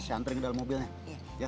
santring ke dalam mobilnya